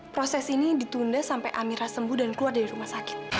proses ini ditunda sampai amira sembuh dan keluar dari rumah sakit